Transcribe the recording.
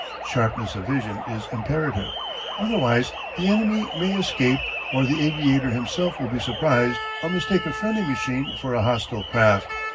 Sharpness of vision is imperative. Otherwise the enemy may escape or the aviator himself will be surprised or mistake a friendly machine for a hostile craft.